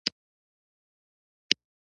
په لومړیو کې یې ځیني نورې لاسته راوړنې لرلې.